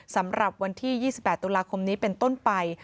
สำหรับวันที่๒๘ตุลาคมนี้เป็นต้นไป